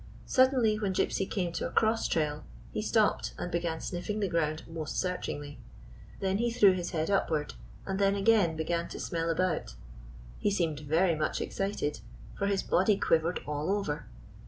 Suddenly, when Gypsy came to a cross trail, he stopped and began sniffing the ground most search ingly. Then he threw his head upward, and then again began to smell about. He seemed very much excited ; for his body quiv ered all over.